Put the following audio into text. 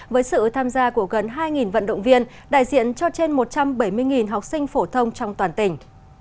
với sự tham gia của gần hai vận động viên đại diện cho trên một trăm bảy mươi học sinh phổ thông trong toàn tỉnh